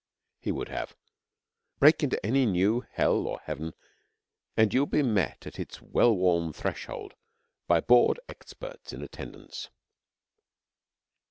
He would have. Break into any new Hell or Heaven and you will be met at its well worn threshold by the bored experts in attendance.